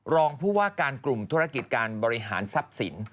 รองผู้ว่าการกลุ่มธุรกิจการบริหารทรัพย์สิน